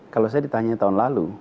kalau saya ditanya tahun lalu